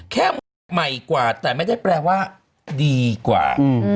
ใหม่กว่าแต่ไม่ได้แปลว่าดีกว่า